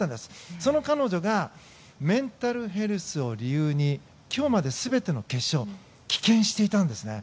その彼女がメンタルヘルスを理由に今日まで全ての決勝を棄権していたんですね。